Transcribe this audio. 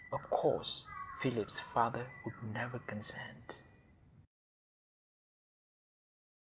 Of course Philip's father would never consent.